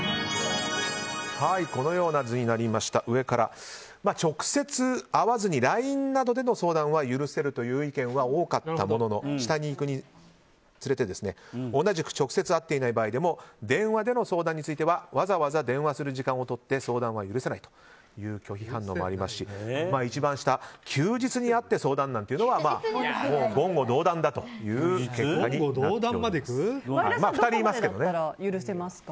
上から直接会わずにＬＩＮＥなどでの相談は許せるという意見は多かったものの下にいくにつれて同じく直接会っていない場合でも電話での相談についてはわざわざ電話する時間をとって相談は許せないという拒否反応もありますし一番下、休日に会って相談なんていうのは言語道断だという意見がありました。